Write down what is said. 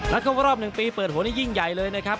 ครบรอบ๑ปีเปิดหัวนี่ยิ่งใหญ่เลยนะครับ